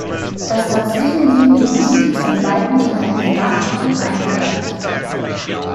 Das dazwischen liegende Gebiet ist in weiten Teilen flach und eingedeicht.